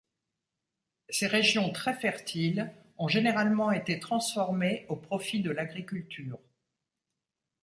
Ces régions très fertiles ont généralement été transformées au profit de l'agriculture.